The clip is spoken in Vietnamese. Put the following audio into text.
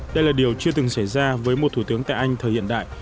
đây là điều chưa từng xảy ra với một thủ tướng tại anh thời hiện đại